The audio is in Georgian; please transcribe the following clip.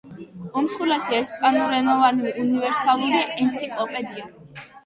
უმსხვილესი ესპანურენოვანი უნივერსალური ენციკლოპედია.